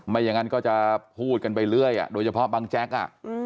ไม่อย่างนั้นก็จะพูดกันไปเรื่อยโดยเฉพาะบังแจ๊กอ่ะ